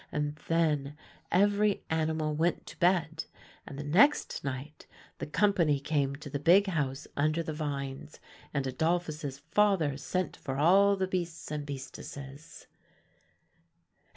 And then every animal went to bed; and the next night the company came to the big house under the vines, and Adolphus's father sent for all the beasts and beastesses."